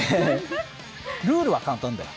ルールは簡単だよ。